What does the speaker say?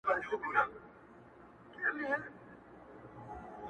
وروستی دیدن دی بیا به نه وي دیدنونه-